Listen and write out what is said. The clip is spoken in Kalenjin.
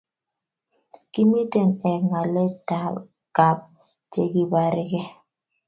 kimiten eng ngalekab chegibarege